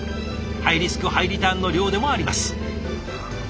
ハイリスクハイリターンの漁でもあります。